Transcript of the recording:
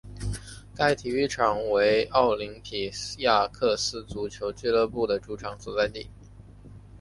该体育场为奥林匹亚克斯足球俱乐部的主场所在地。